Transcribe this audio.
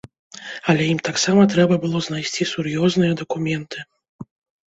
Але ім таксама трэба было знайсці сур'ёзныя дакументы.